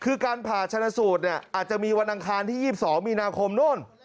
คือการผ่าชนะสูตรเนี่ยอาจจะมีวันอังคารที่๒๒มีนาคมโน่น